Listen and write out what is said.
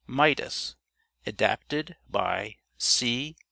MIDAS ADAPTED BY C.